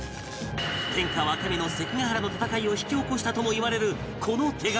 天下分け目の関ヶ原の戦いを引き起こしたともいわれるこの手紙